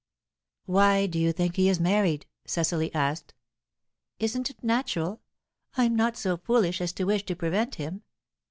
"Why do you think he is married?" Cecily asked. "Isn't it natural? I'm not so foolish as to wish to prevent him.